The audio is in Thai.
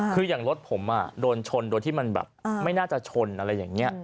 คืออย่างรถผมโดนชนโดยที่มันแบบไม่น่าจะชนอะไรอย่างนี้